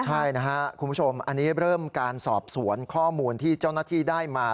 ใช่นะครับคุณผู้ชมอันนี้เริ่มการสอบสวนข้อมูลที่เจ้าหน้าที่ได้มา